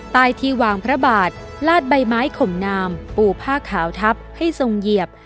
ใต้ที่วางพระบาทลาดใบไม้ข่มงามปู่ผ้าขาวทับให้ทรงเหยียบ